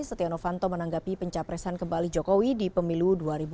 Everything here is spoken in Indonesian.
setia novanto menanggapi pencapresan kembali jokowi di pemilu dua ribu dua puluh